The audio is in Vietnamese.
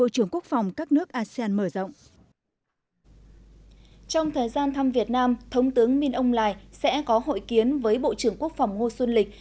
trong thời gian thăm việt nam thống tướng minh ông lài sẽ có hội kiến với bộ trưởng quốc phòng ngô xuân lịch